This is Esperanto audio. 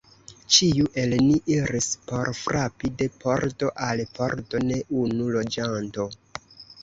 Ĉiu el ni iris por frapi de pordo al pordo: ne unu loĝanto.